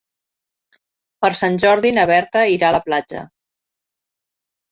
Per Sant Jordi na Berta irà a la platja.